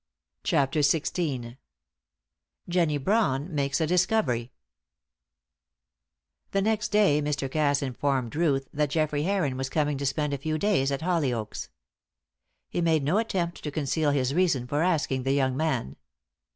CHAPTER XVI. JENNIE BRAWN MAKES A DISCOVERY. The next day Mr. Cass informed Ruth that Geoffrey Heron was coming to spend a few days at Hollyoaks. He made no attempt to conceal his reason for asking the young man.